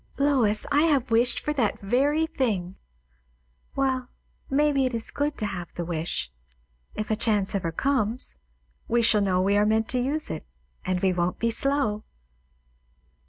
"Lois, I have wished for that very thing!" "Well, maybe it is good to have the wish. If ever a chance comes, we shall know we are meant to use it; and we won't be slow!"